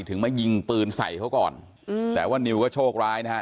ถึงมายิงปืนใส่เขาก่อนอืมแต่ว่านิวก็โชคร้ายนะฮะ